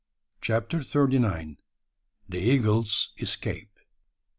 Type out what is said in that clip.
CHAPTER THIRTY NINE. THE EAGLE'S ESCAPE.